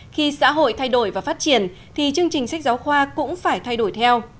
khi xã hội thay đổi và phát triển thì chương trình sách giáo khoa cũng phải thay đổi theo